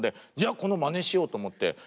このまねしようと思って。